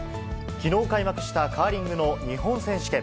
きのう開幕したカーリングの日本選手権。